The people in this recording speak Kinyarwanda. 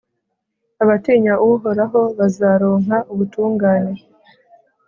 Abatinya Uhoraho bazaronka ubutungane,